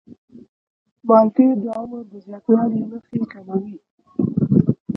مالټې د عمر د زیاتوالي نښې کموي.